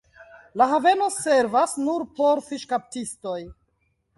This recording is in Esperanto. La haveno servas nur por fiŝkaptistoj.